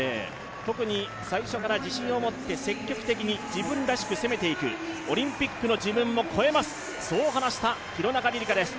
特に最初から自信を持って積極的に自分らしく攻めていくオリンピックの自分を超えますと話した廣中璃梨佳です。